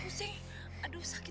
wwt upaya di ceri